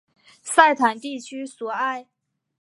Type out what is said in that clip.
塞坦地区索埃。